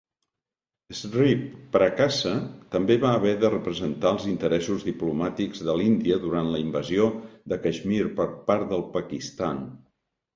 Sri Prakasa també va haver de representar els interessos diplomàtics de l'Índia durant la invasió de Caixmir per part del Pakistan.